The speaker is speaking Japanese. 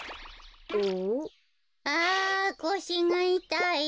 あこしがいたい。